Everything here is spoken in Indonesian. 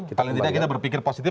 paling tidak kita berpikir positif